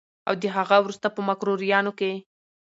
او د هغه وروسته په مکروریانو کې